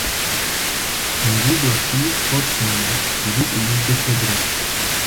Une rue d'Orchies porte son nom, ville où il décèdera.